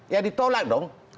ya ditolak dong